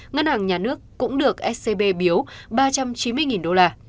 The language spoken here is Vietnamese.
ngân hàng nhà nước cũng được scb biếu ba trăm chín mươi đô la